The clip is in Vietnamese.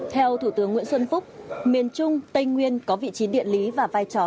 theo thủ tướng nguyễn xuân phúc miền trung tây nguyên có vị trí địa lý và vai trò